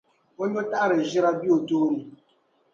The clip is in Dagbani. o nyɔtaɣiri-ʒira be o tooni.